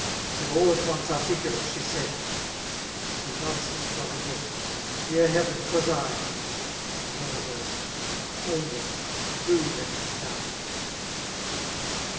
Till all at once artictilatej she said, */ He loves his brother yet *dear heaven^ 'twas I— '• Then lower voiced —" only— <fo let me die.'